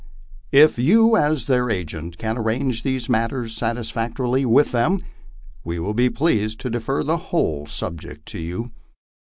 If you as their agent can arrange these matters satisfactorily with them, we will be pleased to defer the whole subject to you.